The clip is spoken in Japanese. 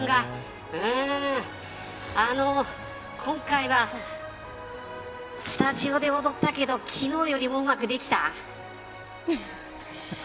今回はスタジオで踊ったけど昨日よりうまくできた。